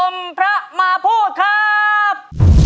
พระมาพูดครับ